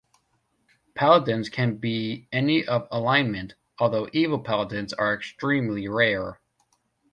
Paladins can be any of alignment, although evil paladins are extremely rare.